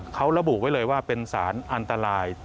เขาระบุไว้เลยว่าเป็นสารอันตราย